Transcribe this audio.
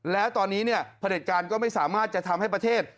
และตอนนี้เนี่ะประเด็จการก็ไม่สามารถจะทำให้ประเทศ